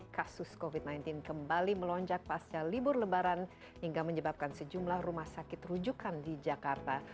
kasus covid sembilan belas kembali melonjak pasca libur lebaran hingga menyebabkan sejumlah rumah sakit rujukan di jakarta